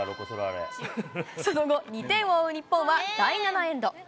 その後、２点を追う日本は第７エンド。